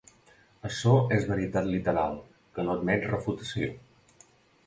Açò és veritat literal que no admet refutació.